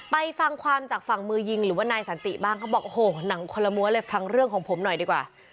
ไปฟังความจากฝั่งมือยิงหรือว่านายสันติบ้างเขาบอกโอ้โหหนังคนละม้วนเลยฟังเรื่องของผมหน่อยดีกว่า